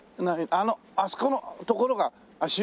あのあそこの所が足湯。